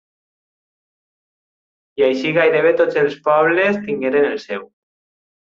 I així gairebé tots els pobles tingueren el seu.